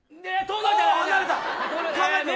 離れた。